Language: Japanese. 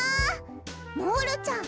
モールちゃん